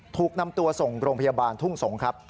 ถูกนำตัวส่งโรงพยาบาลทุ่งสงศ์ครับ